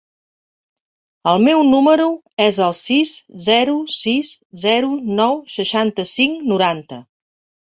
El meu número es el sis, zero, sis, zero, nou, seixanta-cinc, noranta.